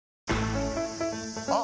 あ！